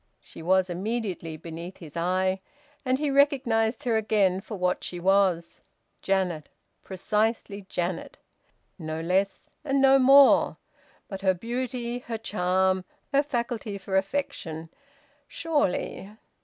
She was immediately beneath his eye, and he recognised her again for what she was Janet! Precisely Janet no less and no more! But her beauty, her charm, her faculty for affection surely...